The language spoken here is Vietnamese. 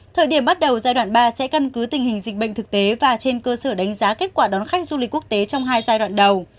thời điểm bắt đầu giai đoạn ba sẽ căn cứ tình hình dịch bệnh thực tế và trên cơ sở đánh giá kết quả đón khách du lịch quốc tế trong hai giai đoạn đầu